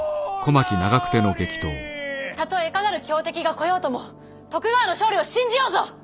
たとえいかなる強敵が来ようとも徳川の勝利を信じようぞ！